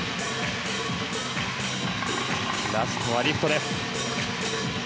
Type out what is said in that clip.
ラストはリフト。